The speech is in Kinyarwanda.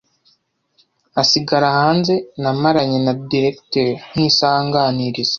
asigara hanze namaranye na Directeur nk’isaha anganiriza,